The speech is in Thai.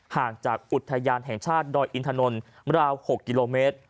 ห่างจากอุทยานแห่งชาติดอยอินถนนราว๖กิโลเมตร